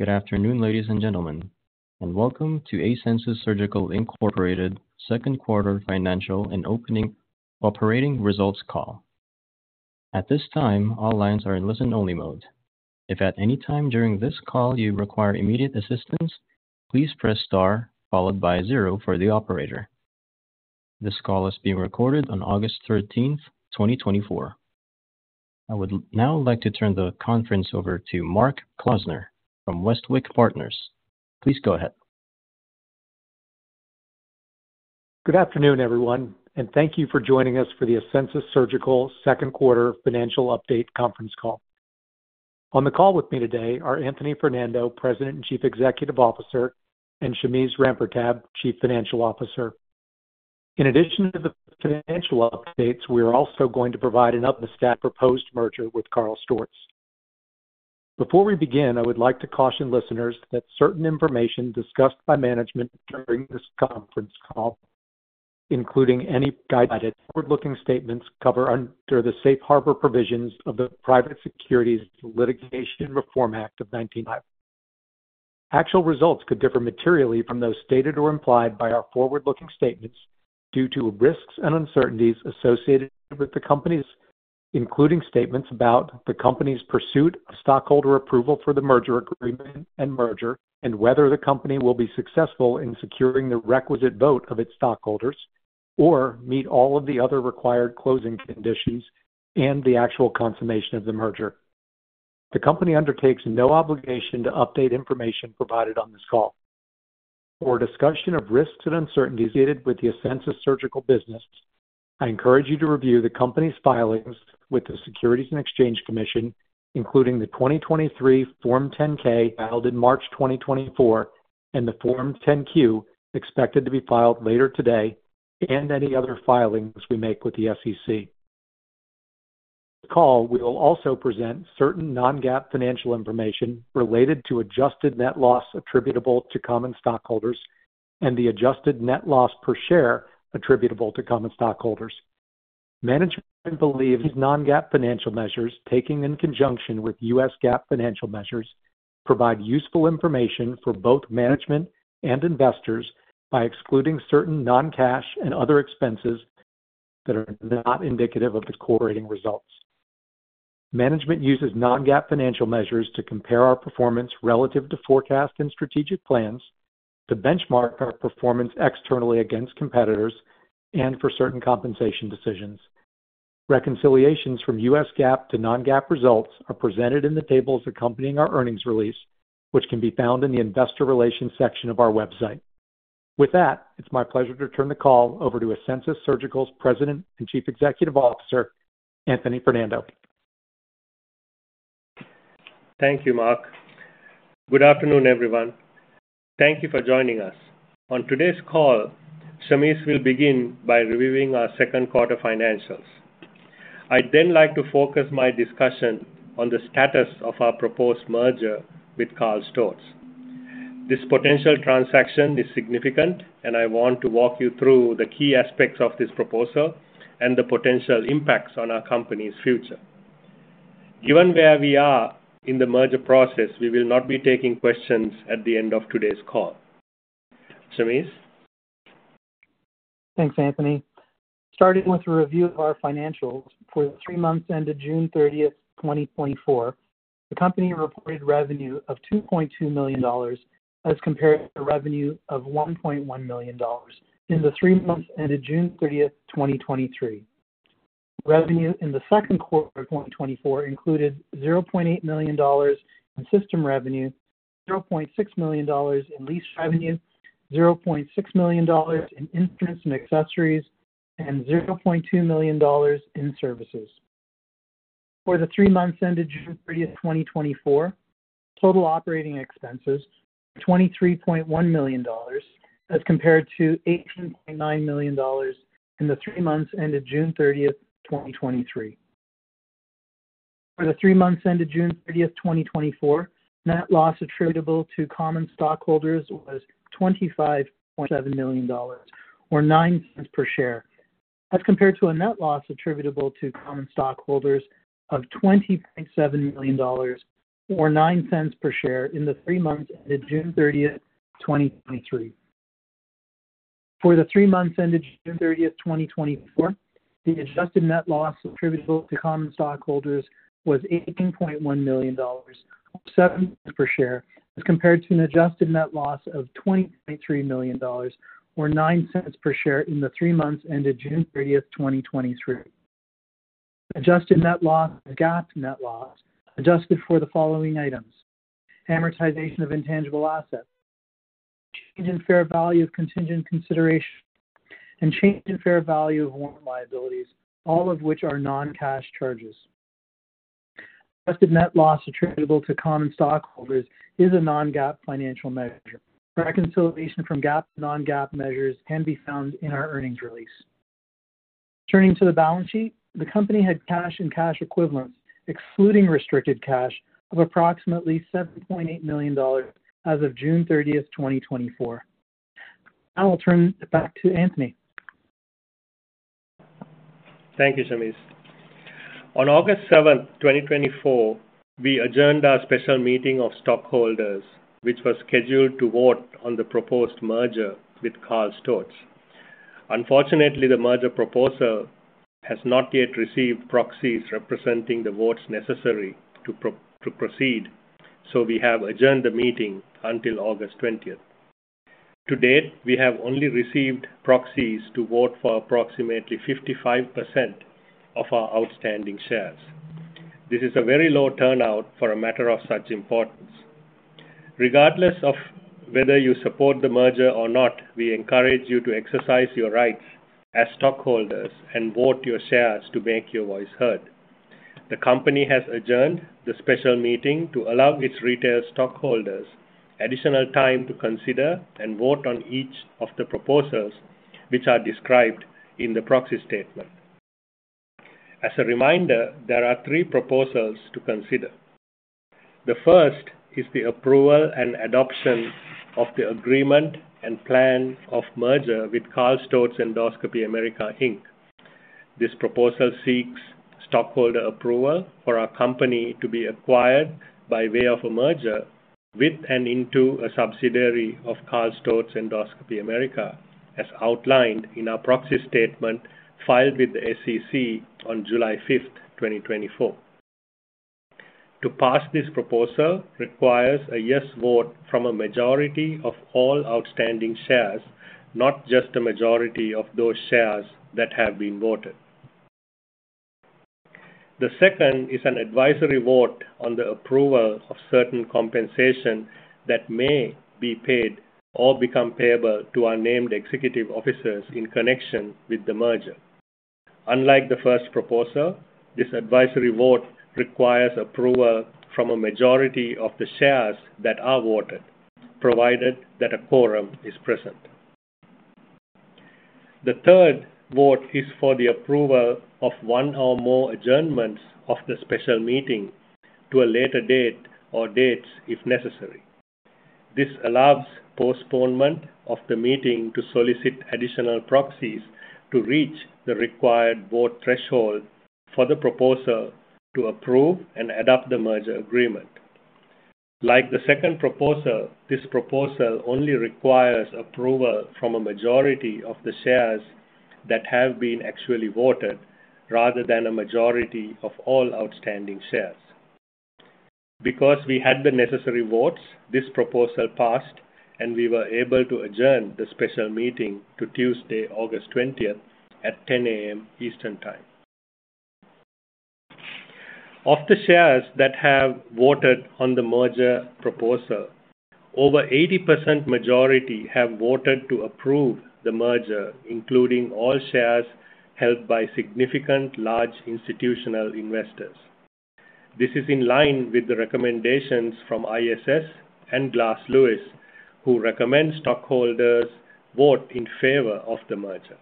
Good afternoon, ladies and gentlemen, and welcome to Asensus Surgical Incorporated Second Quarter Financial and Business Operating Results Call. At this time, all lines are in listen-only mode. If at any time during this call you require immediate assistance, please press Star followed by zero for the operator. This call is being recorded on August 13, 2024. I would now like to turn the conference over to Mark Klausner from ICR Westwicke. Please go ahead. Good afternoon, everyone, and thank you for joining us for the Asensus Surgical second quarter financial update conference call. On the call with me today are Anthony Fernando, President and Chief Executive Officer, and Shameze Rampertab, Chief Financial Officer. In addition to the financial updates, we are also going to provide an update on the proposed merger with KARL STORZ. Before we begin, I would like to caution listeners that certain information discussed by management during this conference call, including any guidance, forward-looking statements covered under the Safe Harbor Provisions of the Private Securities Litigation Reform Act of 1999. Actual results could differ materially from those stated or implied by our forward-looking statements due to risks and uncertainties associated with the companies, including statements about the company's pursuit of stockholder approval for the merger agreement and merger, and whether the company will be successful in securing the requisite vote of its stockholders or meet all of the other required closing conditions and the actual confirmation of the merger. The company undertakes no obligation to update information provided on this call. For discussion of risks and uncertainties with the Asensus Surgical business, I encourage you to review the company's filings with the Securities and Exchange Commission, including the 2023 Form 10-K, filed in March 2024, and the Form 10-Q, expected to be filed later today, and any other filings we make with the SEC. On this call, we will also present certain non-GAAP financial information related to adjusted net loss attributable to common stockholders and the adjusted net loss per share attributable to common stockholders. Management believes non-GAAP financial measures, taken in conjunction with US GAAP financial measures, provide useful information for both management and investors by excluding certain non-cash and other expenses that are not indicative of the core operating results. Management uses non-GAAP financial measures to compare our performance relative to forecast and strategic plans, to benchmark our performance externally against competitors and for certain compensation decisions. Reconciliations from US GAAP to non-GAAP results are presented in the tables accompanying our earnings release, which can be found in the Investor Relations section of our website. With that, it's my pleasure to turn the call over to Asensus Surgical's President and Chief Executive Officer, Anthony Fernando. Thank you, Mark. Good afternoon, everyone. Thank you for joining us. On today's call, Shameze will begin by reviewing our second quarter financials. I'd then like to focus my discussion on the status of our proposed merger with KARL STORZ. This potential transaction is significant, and I want to walk you through the key aspects of this proposal and the potential impacts on our company's future. Given where we are in the merger process, we will not be taking questions at the end of today's call. Shameze? Thanks, Anthony. Starting with a review of our financials. For the three months ended June 30, 2024, the company reported revenue of $2.2 million as compared to revenue of $1.1 million in the three months ended June 30, 2023. Revenue in the second quarter of 2024 included $0.8 million in system revenue, $0.6 million in lease revenue, $0.6 million in instruments and accessories, and $0.2 million in services. For the three months ended June 30, 2024, total operating expenses, $23.1 million, as compared to $18.9 million in the three months ended June 30, 2023. For the three months ended June 30, 2024, net loss attributable to common stockholders was $25.7 million, or $0.09 per share, as compared to a net loss attributable to common stockholders of $20.7 million or $0.09 per share in the three months ended June 30, 2023. For the three months ended June 30, 2024, the Adjusted Net Loss attributable to common stockholders was $18.1 million, $0.07 per share, as compared to an Adjusted Net Loss of $20.3 million, or $0.09 per share, in the three months ended June 30, 2023. Adjusted Net Loss, GAAP net loss, adjusted for the following items: amortization of intangible assets, change in fair value of contingent consideration, and change in fair value of warrant liabilities, all of which are non-cash charges. Adjusted Net Loss attributable to common stockholders is a non-GAAP financial measure. Reconciliation from GAAP to non-GAAP measures can be found in our earnings release. Turning to the balance sheet, the company had cash and cash equivalents, excluding restricted cash, of approximately $7.8 million as of June 30, 2024. I will turn it back to Anthony. Thank you, Shameze. On August 7, 2024, we adjourned our special meeting of stockholders, which was scheduled to vote on the proposed merger with KARL STORZ. Unfortunately, the merger proposal has not yet received proxies representing the votes necessary to proceed, so we have adjourned the meeting until August 20. To date, we have only received proxies to vote for approximately 55% of our outstanding shares. This is a very low turnout for a matter of such importance. Regardless of whether you support the merger or not, we encourage you to exercise your rights as stockholders and vote your shares to make your voice heard. The company has adjourned the special meeting to allow its retail stockholders additional time to consider and vote on each of the proposals, which are described in the proxy statement. As a reminder, there are three proposals to consider. The first is the approval and adoption of the agreement and plan of merger with KARL STORZ Endoscopy-America, Inc. This proposal seeks stockholder approval for our company to be acquired by way of a merger with and into a subsidiary of KARL STORZ Endoscopy-America, Inc., as outlined in our Proxy Statement filed with the SEC on July 5th, 2024. To pass this proposal requires a yes vote from a majority of all outstanding shares, not just a majority of those shares that have been voted. The second is an advisory vote on the approval of certain compensation that may be paid or become payable to our named executive officers in connection with the merger. Unlike the first proposal, this advisory vote requires approval from a majority of the shares that are voted, provided that a quorum is present. The third vote is for the approval of one or more adjournments of the special meeting to a later date or dates if necessary. This allows postponement of the meeting to solicit additional proxies to reach the required vote threshold for the proposal to approve and adopt the merger agreement. Like the second proposal, this proposal only requires approval from a majority of the shares that have been actually voted, rather than a majority of all outstanding shares. Because we had the necessary votes, this proposal passed, and we were able to adjourn the special meeting to Tuesday, August 20th, at 10:00 A.M. Eastern Time. Of the shares that have voted on the merger proposal, over 80% majority have voted to approve the merger, including all shares held by significant large institutional investors. This is in line with the recommendations from ISS and Glass Lewis, who recommend stockholders vote in favor of the merger.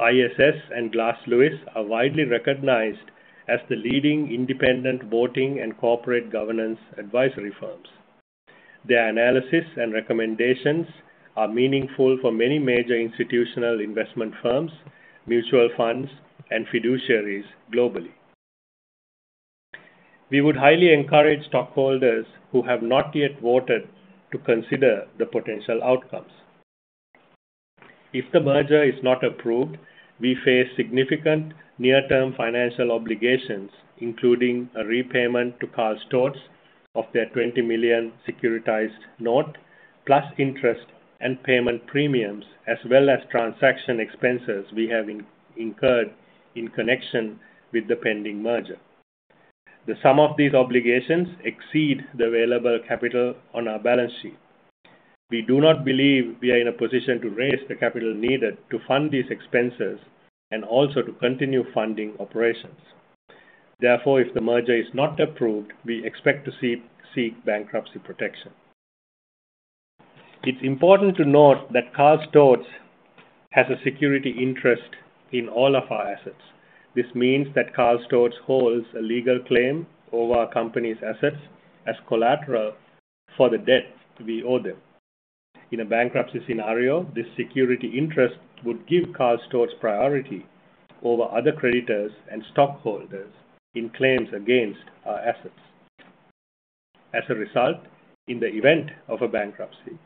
ISS and Glass Lewis are widely recognized as the leading independent voting and corporate governance advisory firms. Their analysis and recommendations are meaningful for many major institutional investment firms, mutual funds, and fiduciaries globally. We would highly encourage stockholders who have not yet voted to consider the potential outcomes. If the merger is not approved, we face significant near-term financial obligations, including a repayment to Karl Storz of their $20 million securitized note, plus interest and payment premiums, as well as transaction expenses we have incurred in connection with the pending merger. The sum of these obligations exceed the available capital on our balance sheet. We do not believe we are in a position to raise the capital needed to fund these expenses and also to continue funding operations. Therefore, if the merger is not approved, we expect to seek bankruptcy protection. It's important to note that KARL STORZ has a security interest in all of our assets. This means that KARL STORZ holds a legal claim over our company's assets as collateral for the debt we owe them. In a bankruptcy scenario, this security interest would give KARL STORZ priority over other creditors and stockholders in claims against our assets. As a result, in the event of a bankruptcy,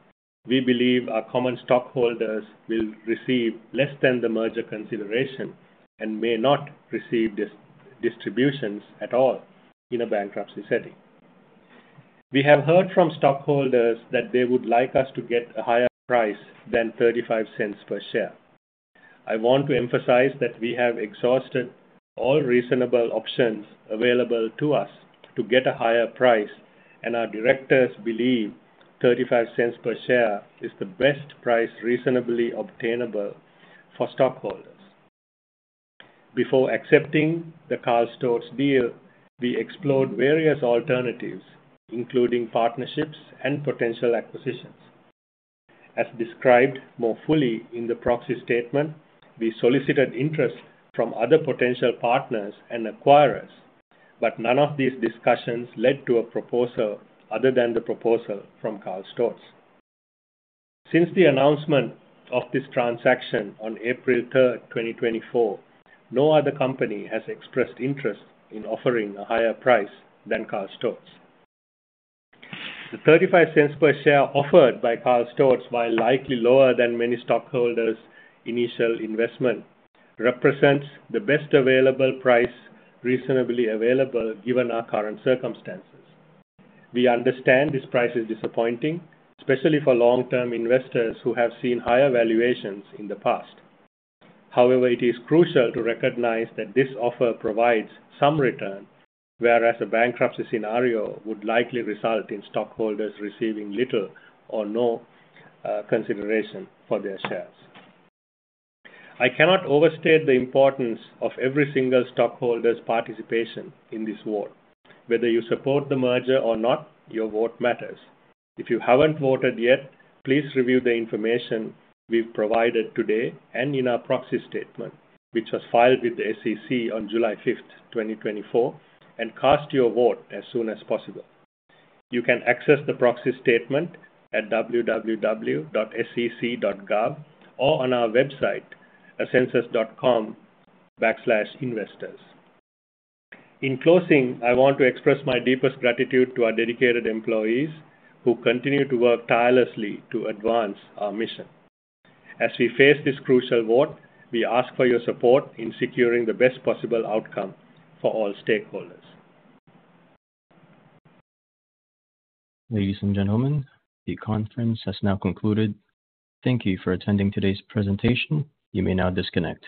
we believe our common stockholders will receive less than the merger consideration and may not receive distributions at all in a bankruptcy setting. We have heard from stockholders that they would like us to get a higher price than $0.35 per share. I want to emphasize that we have exhausted all reasonable options available to us to get a higher price, and our directors believe $0.35 per share is the best price reasonably obtainable for stockholders. Before accepting the KARL STORZ deal, we explored various alternatives, including partnerships and potential acquisitions. As described more fully in the Proxy Statement, we solicited interest from other potential partners and acquirers, but none of these discussions led to a proposal other than the proposal from KARL STORZ. Since the announcement of this transaction on April 3rd, 2024, no other company has expressed interest in offering a higher price than KARL STORZ. The $0.35 per share offered by KARL STORZ, while likely lower than many stockholders' initial investment, represents the best available price reasonably available given our current circumstances. We understand this price is disappointing, especially for long-term investors who have seen higher valuations in the past. However, it is crucial to recognize that this offer provides some return, whereas a bankruptcy scenario would likely result in stockholders receiving little or no consideration for their shares. I cannot overstate the importance of every single stockholder's participation in this vote. Whether you support the merger or not, your vote matters. If you haven't voted yet, please review the information we've provided today and in our proxy statement, which was filed with the SEC on July 5, 2024, and cast your vote as soon as possible. You can access the proxy statement at www.sec.gov or on our website, asensus.com/investors. In closing, I want to express my deepest gratitude to our dedicated employees, who continue to work tirelessly to advance our mission. As we face this crucial vote, we ask for your support in securing the best possible outcome for all stakeholders. Ladies and gentlemen, the conference has now concluded. Thank you for attending today's presentation. You may now disconnect.